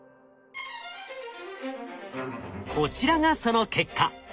こちらがその結果。